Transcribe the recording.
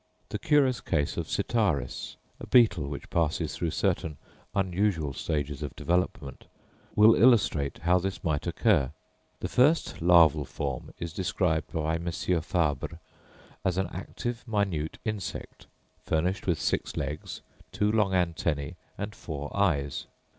The curious case of Sitaris—a beetle which passes through certain unusual stages of development—will illustrate how this might occur. The first larval form is described by M. Fabre, as an active, minute insect, furnished with six legs, two long antennæ, and four eyes.